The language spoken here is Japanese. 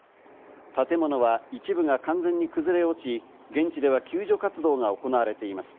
建物は一部が完全に崩れ落ち、現地では救助活動が行われています。